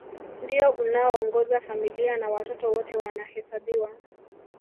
Ndio unaoongoza familia na watoto wote wanahesabiwa